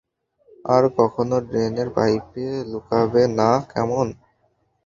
আর কখনো ড্রেনের পাইপে লুকাবে না, কেমন?